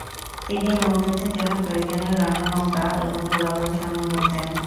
তিনি নৌযুদ্ধের জন্য প্রয়োজনীয় রণনৌকা এবং গোলাবারুদ সংগ্রহ করতেন।